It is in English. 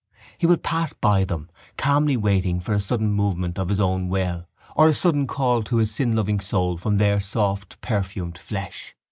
He would pass by them calmly waiting for a sudden movement of his own will or a sudden call to his sin loving soul from their soft perfumed flesh.